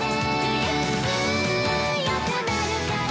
「強くなるからね」